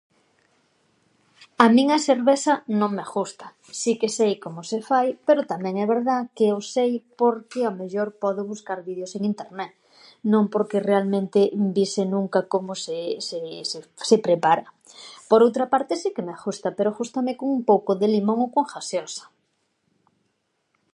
A min a servesa non me ghusta, si que sei como se fai, pero tamén e verdá que o sei porque ao mellor podo buscar vídeos en internet non porque realmente vise nunca como se se se se prepara. Por outra parte, si que me ghusta, pero ghustame cun pouco de limón ou con ghaseosa.